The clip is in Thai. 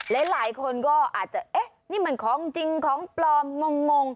หลายคนก็อาจจะเอ๊ะนี่มันของจริงของปลอมงง